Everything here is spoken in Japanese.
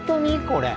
これ。